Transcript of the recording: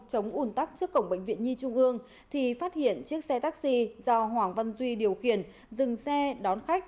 chống ủn tắc trước cổng bệnh viện nhi trung ương thì phát hiện chiếc xe taxi do hoàng văn duy điều khiển dừng xe đón khách